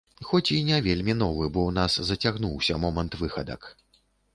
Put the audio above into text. Хоць і не вельмі новы, бо ў нас зацягнуўся момант выхадак.